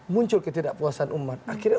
muncul ketidakpuasan umat akhirnya